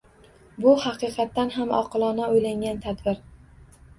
Bu haqiqatdan ham, oqilona oʻylangan tadbir.